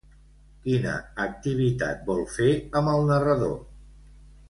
Quina activitat vol fer amb el narrador?